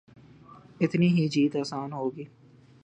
اتنی ہی جیت آسان ہو گی۔